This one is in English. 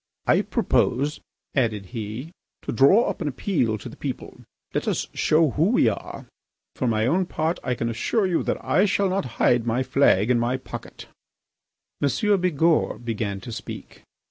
"I propose," added he, "to draw up an appeal to the people. Let us show who we are. For my own part I can assure you that I shall not hide my flag in my pocket." M. Bigourd began to speak.